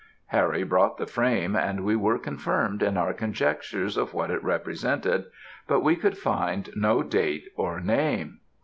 "Harry brought the frame, and we were confirmed in our conjectures of what it represented, but we could find no date or name.